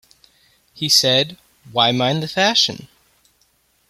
He said, 'Why mind the fashion?